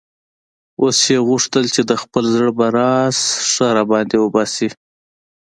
اوس یې غوښتل چې د خپل زړه بړاس ښه را باندې وباسي.